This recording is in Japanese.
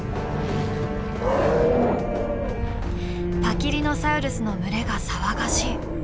パキリノサウルスの群れが騒がしい。